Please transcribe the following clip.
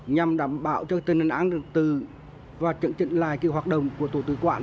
nhằm đảm bảo cho tình hình an tử và trận trận lại kỳ hoạt động của tổ tử quản